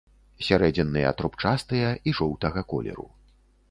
Сярэдзінныя трубчастыя і жоўтага колеру.